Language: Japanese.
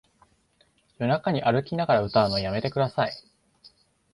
夜中に歩きながら歌うのやめてください